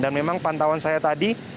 dan memang pantauan saya tadi